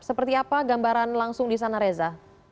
seperti apa gambaran langsung disana reza